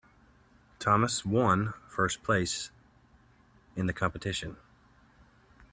Thomas one first place in the competition.